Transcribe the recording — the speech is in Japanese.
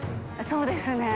そうですね。